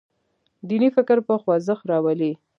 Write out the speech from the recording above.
دیني فکر په خوځښت راولي.